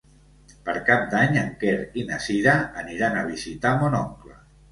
Per Cap d'Any en Quer i na Cira aniran a visitar mon oncle.